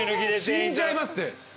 死んじゃいますって。